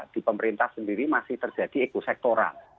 di pemerintah sendiri masih terjadi ekosektoral